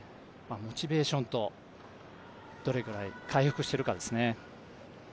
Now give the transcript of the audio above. モチベーションとどれぐらい回復しているかですね。